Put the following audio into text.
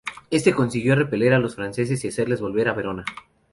Este consiguió repeler a los franceses y hacerles volver a Verona.